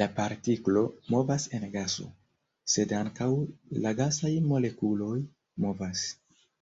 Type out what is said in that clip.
La partiklo movas en gaso, sed ankaŭ la gasaj molekuloj movas.